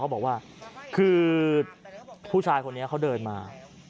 บอกว่าคือผู้ชายคนนี้เขาเดินมา